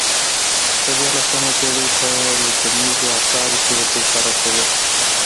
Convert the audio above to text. په دیارلسمې پېړۍ په لیکنیزو اثارو کې ورته اشاره شوې.